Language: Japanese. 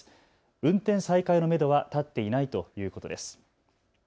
運転再開のめどは立っていないということです。